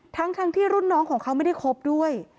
ทั้งที่รุ่นน้องของเขาไม่ได้คบด้วย